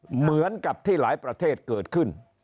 เหมือนกับที่หลายประเทศเกิดขึ้น